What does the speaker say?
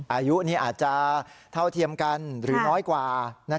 อายุนี้อาจจะเท่าเทียมกันหรือน้อยกว่า